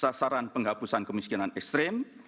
sasaran penghabusan kemiskinan ekstrim